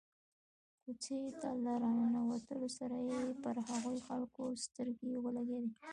کوڅې ته له را ننوتلو سره مې پر هغو خلکو سترګې ولګېدې.